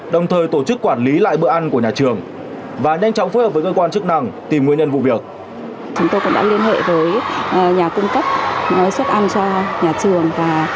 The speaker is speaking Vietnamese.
đồng thời tổ chức quản lý lại bữa ăn của nhà trường